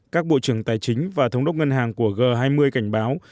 các bộ trưởng tài chính và thống đốc ngân hàng của g hai mươi cảnh báo